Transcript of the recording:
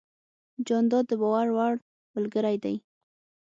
جانداد د باور وړ ملګری دی.